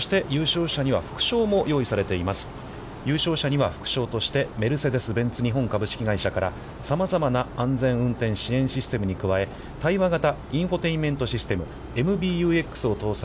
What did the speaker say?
優勝者には副賞として、メルセデス・ベンツ日本株式会社から、さまざまな安全運転支援システムに加え、対話型インフォテインメントシステム「ＭＢＵＸ」を搭載。